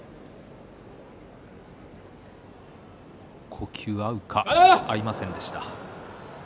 呼吸が合いませんでした。